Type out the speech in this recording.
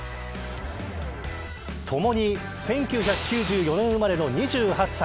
ともに１９９４年生まれの２８歳。